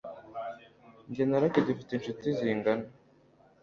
Jye na Lucy dufite inshuti zingana.